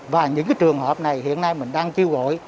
và những cái trường hợp này hiện nay mình đang chiêu gọi